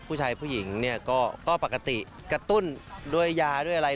ผู้หญิงเนี่ยก็ปกติกระตุ้นด้วยยาด้วยอะไร